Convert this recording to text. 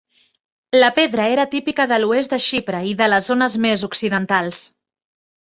La pedra era típica de l'oest de Xipre i de les zones més occidentals.